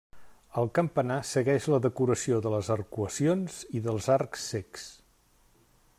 El campanar segueix la decoració de les arcuacions i dels arcs cecs.